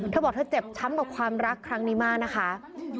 เธอบอกเธอเจ็บช้ำกับความรักครั้งนี้มากนะคะ